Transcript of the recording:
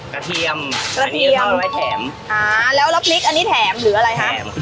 กระเทียมกระเทียมแถมอ่าแล้วลับนิกอันนี้แถมหรืออะไรฮะแถม